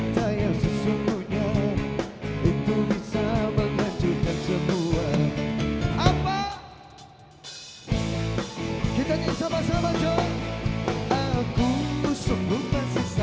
tau akhir akhir terakhir